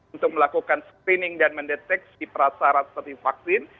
untuk melakukan screening dan mendeteksi prasarat seperti vaksin